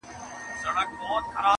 نر دي بولم که ایمان دي ورته ټینګ سو-